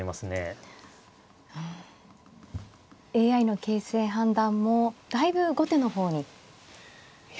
ＡＩの形勢判断もだいぶ後手の方に傾いています。